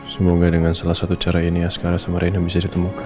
semoga dengan salah satu cara ini askara sama rena bisa ditemukan